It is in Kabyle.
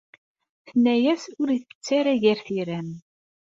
Tenna-yas ur itett ara gar tiram.